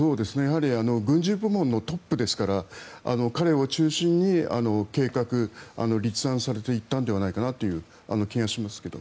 軍事部門のトップですから彼を中心に計画立案されていったのではないかなという気がしますけど。